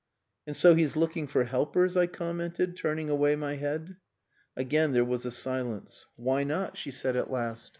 "And so he's looking for helpers?" I commented, turning away my head. Again there was a silence. "Why not?" she said at last.